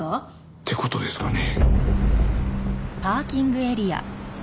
って事ですかね。